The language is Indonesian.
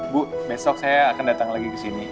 bu besok saya akan datang lagi kesini